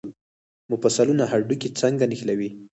مفصلونه هډوکي څنګه نښلوي؟